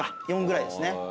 ３４ぐらいですね。